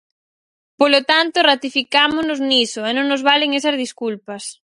Polo tanto, ratificámonos niso e non nos valen esas desculpas.